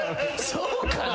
そうかな？